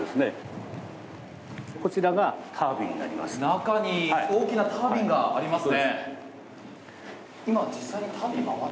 中に大きなタービンがありますね。